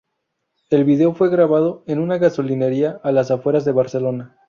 El vídeo fue grabado en una gasolinera a las afueras de Barcelona.